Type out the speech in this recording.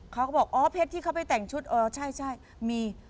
เขาก็บอกอ๋อเพชรที่เขาไปแต่งชุดเออใช่มี